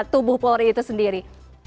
tubuh polri itu sendiri